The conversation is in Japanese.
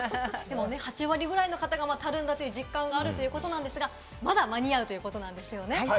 ８割ぐらいの方がたるんだ実感があったということですが、まだ間に合うということですね。